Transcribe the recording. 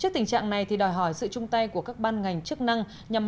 thì từ ngày một mươi tám tháng một mươi một năm hai nghìn